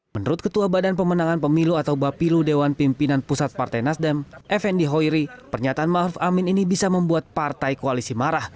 menurut ketua badan pemenangan pemilu atau bapilu dewan pimpinan pusat partai nasdem fnd hoiri pernyataan maruf amin ini bisa membuat partai koalisi marah